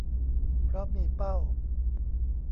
เพราะมีเป้า